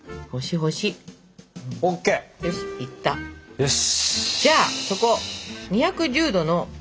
よし！